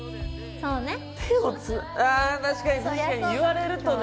確かに確かに言われるとね